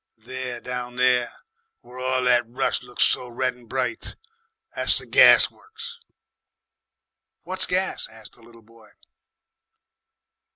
"There, down there, where all that rus' looks so red and bright, that's the gas works." "What's gas?" asked the little boy.